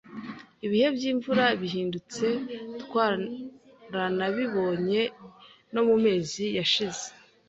Ibihe by’imvura bihindutse, twaranabibonye no mu mezi yashize,